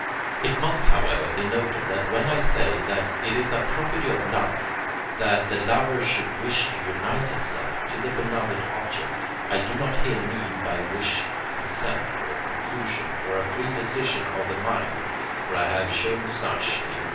It must, however, be noted, that when I say that it is a property of love, that the lover should wish to unite himself to the beloved object, I do not here mean by wish consent, or conclusion, or a free decision of the mind (for I have shown such, in II.